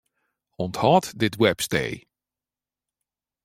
Unthâld dit webstee.